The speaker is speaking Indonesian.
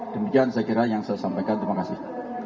demikian saya kira yang saya sampaikan terima kasih